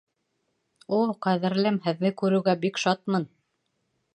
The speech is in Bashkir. О, ҡәҙерлем, һеҙҙе күреүгә бик шатмын!